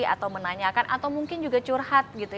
atau menanyakan atau mungkin juga curhat